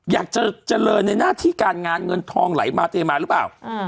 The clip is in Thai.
อยากจะเจริญในหน้าที่การงานเงินทองไหลมาเทมาหรือเปล่า